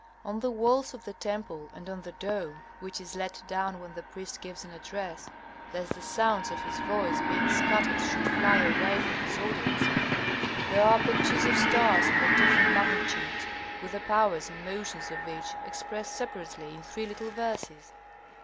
On the walls of the temple and on the dome, which is let down when the priest gives an address, lest the sounds of his voice, being scattered, should fly away from his audience, there are pictures of stars in their different magnitudes, with the powers and motions of each, expressed separately in three little verses.